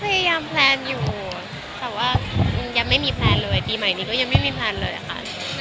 พยายามแพลนอยู่แต่ว่ายังไม่มีแพลนเลยปีใหม่นี้ก็ยังไม่มีแพลนเลยค่ะ